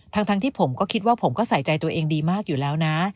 ทั้งที่ผมก็คิดว่าผมก็ใส่ใจตัวเองดีมากอยู่แล้วนะ